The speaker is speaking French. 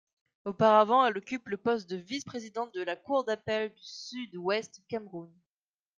Auparavant, elle occupe le poste de vice-présidente de la cour d'appel du Sud-Ouest Cameroun.